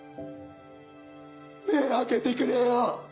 目開けてくれよ。